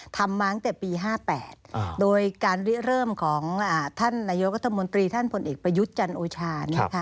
ทำมาตั้งแต่ปี๕๘โดยการริเริ่มของท่านนายกรัฐมนตรีท่านผลเอกประยุทธ์จันทร์โอชา